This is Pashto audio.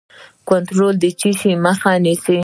کنټرول د څه شي مخه نیسي؟